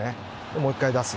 もう１回、出す。